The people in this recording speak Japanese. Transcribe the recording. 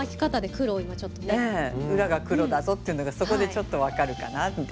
裏が黒だぞっていうのがそこでちょっと分かるかなみたいな。